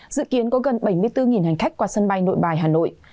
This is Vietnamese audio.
dự kiến có gần bảy mươi bốn hành khách qua sân bay nội bài hà nội